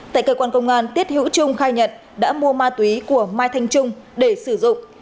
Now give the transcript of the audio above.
tại cơ quan công an tiết hữu trung khai nhận đã mua ma túy của mai thanh trung để sử dụng